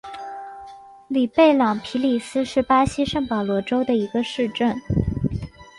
里贝朗皮里斯是巴西圣保罗州的一个市镇。